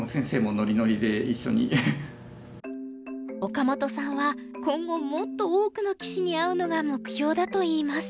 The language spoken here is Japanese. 岡本さんは今後もっと多くの棋士に会うのが目標だといいます。